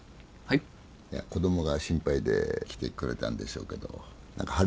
いや子供が心配で来てくれたんでしょうけど何か晴れない顔してますね。